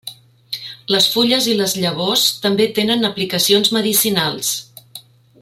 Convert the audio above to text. Les fulles i les llavors també tenen aplicacions medicinals.